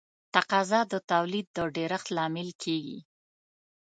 تقاضا د تولید د ډېرښت لامل کیږي.